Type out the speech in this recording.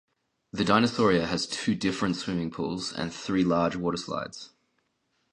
The Dinosauria has two different swimming pools and three large water slides.